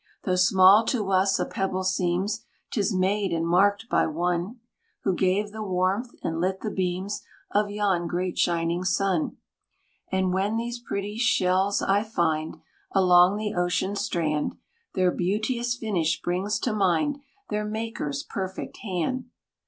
"Though small to us a pebble seems, 'Tis made and marked by One, Who gave the warmth, and lit the beams Of yon great shining sun. "And when these pretty shells I find, Along the ocean strand, Their beauteous finish brings to mind Their Maker's perfect hand.